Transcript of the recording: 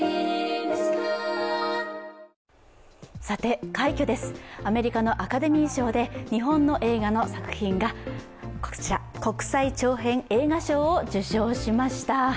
さて、快挙です、アメリカのアカデミー賞で日本の映画の作品が国際長編映画賞を受賞しました。